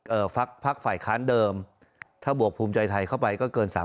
พักพักฝ่ายค้านเดิมถ้าบวกภูมิใจไทยเข้าไปก็เกินสาม